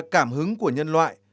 cảm hứng của nhân loại